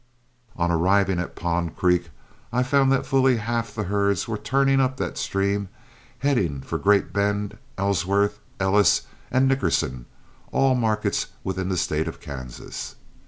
On arriving at Pond Creek I found that fully half the herds were turning up that stream, heading for Great Bend, Ellsworth, Ellis, and Nickerson, all markets within the State of Kansas.